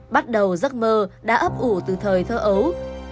bắt đầu giấc mơ đã ấp ủ từ thời thơ ấu